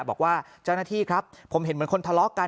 บอกว่าเจ้าหน้าที่ครับผมเห็นเหมือนคนทะเลาะกัน